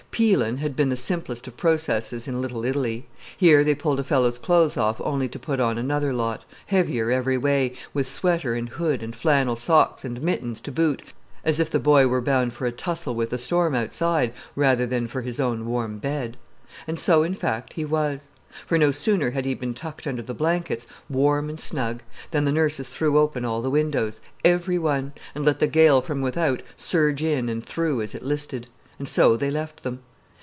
"Peeli'" had been the simplest of processes in Little Italy. Here they pulled a fellow's clothes off only to put on another lot, heavier every way, with sweater and hood and flannel socks and mittens to boot, as if the boy were bound for a tussle with the storm outside rather than for his own warm bed. And so, in fact, he was. For no sooner had he been tucked under the blankets, warm and snug, than the nurses threw open all the windows, every one, and let the gale from without surge in and through as it listed; and so they left them.